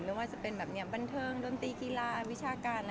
นึกว่าจะเป็นบรรเทิงดนตรีกีฬาวิชาการอะไร